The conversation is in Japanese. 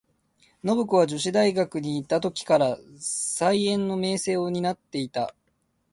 信子は女子大学にゐた時から、才媛の名声を担ってゐた。